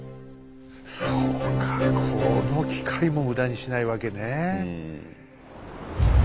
そうかこの機会も無駄にしないわけね。